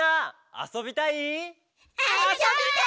「あそびたい！」